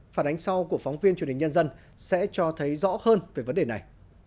phản ánh sau của phóng viên truyền hình nhân dân sẽ cho thấy rõ hơn về vấn đề này